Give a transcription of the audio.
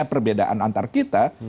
perbedaan antar kita